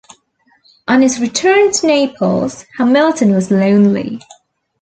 On his return to Naples, Hamilton was lonely.